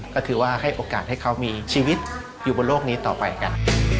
ก็คือว่าให้โอกาสให้เขามีชีวิตอยู่บนโลกนี้ต่อไปกัน